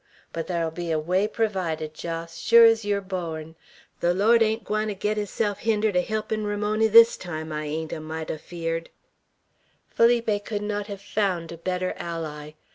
But thar'll be a way pervided, Jos, sure's yeow're bawn. The Lawd ain't gwine to get hisself hindered er holpin' Ramony this time; I ain't a mite afeerd." Felipe could not have found a better ally.